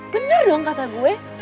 bener dong kata gue